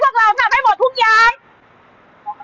จะจับมาประเทศนะครับหรือเปล่า